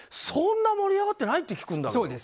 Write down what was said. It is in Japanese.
そんな盛り上がってないって聞くんだけど。